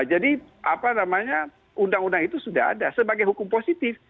jadi apa namanya undang undang itu sudah ada sebagai hukum positif